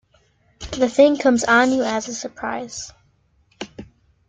The thing comes on you as a surprise.